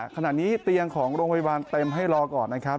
ขณะนี้เตียงของโรงพยาบาลเต็มให้รอก่อนนะครับ